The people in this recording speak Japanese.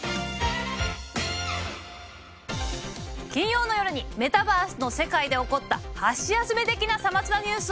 金曜の夜にメタバースの世界で起こった箸休め的な些末なニュースを。